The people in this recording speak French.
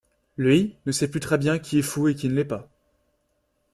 Lui, ne sait plus très bien qui est fou et qui ne l'est pas.